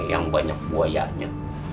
yang banyak buayanya